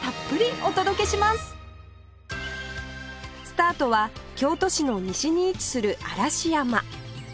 スタートは京都市の西に位置する嵐山